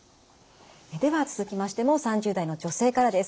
では続きましても３０代の女性からです。